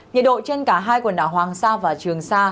nhiệt độ trên cả hai quần đảo hoàng sa và trường sa